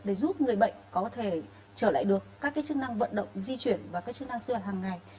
để giúp người bệnh có thể trở lại được các chức năng vận động di chuyển và chức năng sưu hợp hàng ngày